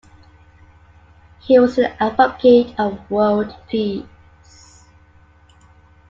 He was an advocate of world peace.